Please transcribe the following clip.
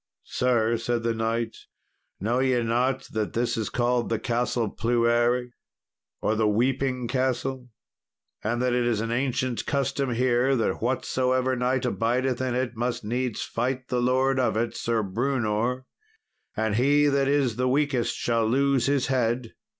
"Sir," said the knight, "know ye not that this is called the Castle Pluere, or the weeping castle, and that it is an ancient custom here that whatsoever knight abideth in it must needs fight the lord of it, Sir Brewnor, and he that is the weakest shall lose his head.